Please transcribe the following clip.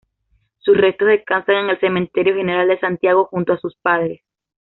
Sus restos descansan en el Cementerio General de Santiago, junto a sus padres.